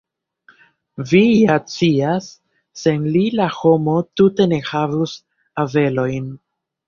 Vi ja scias, sen li la homo tute ne havus abelojn.